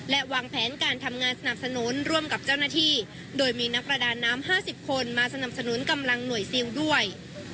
และวางแผนการทำงานสนับสนุนร่วมกับเจ้าหน้าที่โดยมีนักประดาน้ำ๕๐คนมาสนับสนุนกำลังหน่วยซิลด้วย